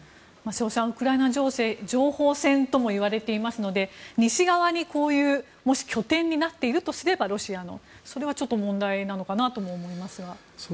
瀬尾さん、ウクライナ情勢情報戦ともいわれていますので西側にこういうもし拠点になっているとすればロシアの、それはちょっと問題なのかなとも思いますが。